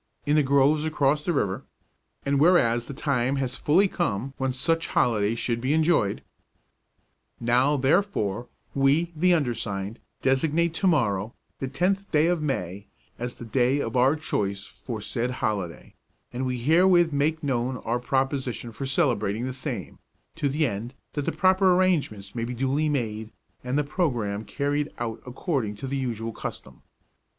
in the groves across the river, and whereas the time has fully come when such holiday should be enjoyed; Now, therefore, we, the undersigned, designate to morrow, the tenth day of May, as the day of our choice for said holiday; and we herewith make known our proposition for celebrating the same, to the end that the proper arrangements may be duly made and the programme carried out according to the usual custom.